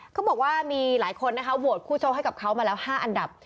เขาบอกว่ามีหลายคนนะคะโหวตคู่โชคให้กับเขามาแล้ว๕อันดับ